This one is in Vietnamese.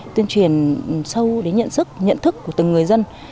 tuyên truyền sâu đến nhận thức của từng người dân